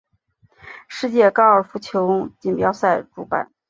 世界高尔夫球锦标赛主办。